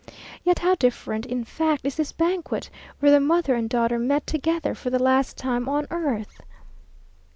Yet how different in fact is this banquet, where the mother and daughter met together for the last time on earth!